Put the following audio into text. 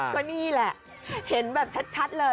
ก็นี่แหละเห็นแบบชัดเลย